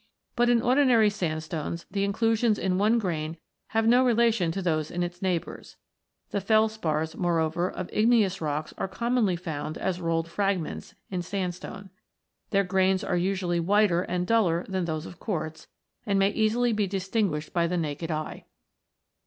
But in ordinary sandstones the inclusions in one grain have no relation to those in its neighbours. The felspars, moreover, of igneous rocks are commonly found, as rolled fragments, in sandstone. Their grains are usually whiter and duller than those of quartz, and may easily be distinguished by the naked eye.